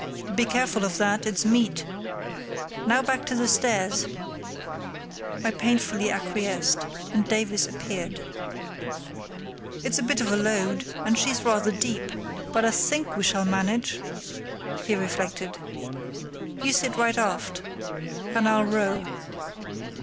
"Be careful of that, it's meat. Now back to the stairs!" I painfully acquiesced, and Davies appeared. "It's a bit of a load, and she's rather deep; but I think we shall manage," he reflected. "You sit right aft, and I'll row."